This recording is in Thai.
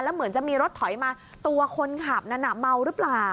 เหมือนจะมีรถถอยมาตัวคนขับนั้นน่ะเมาหรือเปล่า